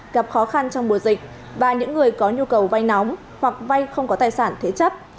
gặp khó khăn trong mùa dịch và những người có nhu cầu vay nóng hoặc vay không có tài sản thế chấp